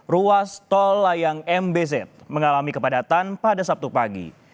ruas tol layang mbz mengalami kepadatan pada sabtu pagi